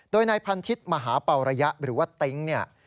โดยนายพันทิศมหาเป่าระยะหรือว่าติ๊งเนี่ย